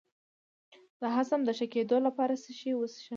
د هضم د ښه کیدو لپاره څه شی وڅښم؟